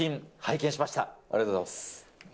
ありがとうございます。